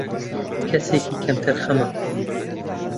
کەسێکی کەم تەرخەمە